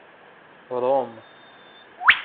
رم